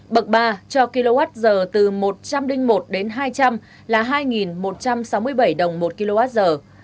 bậc ba cho kwh từ một trăm linh một đến hai trăm linh là hai một trăm sáu mươi bảy đồng một kwh